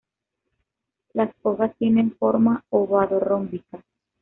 Las hojas tienen forma ovado-rómbica.